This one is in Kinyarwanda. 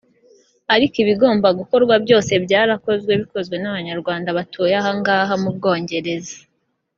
Aliko ibigomba gukorwa byose byarakozwe bikozwe n’abanyarwanda batuye aha ng’aha mu Bwongeleza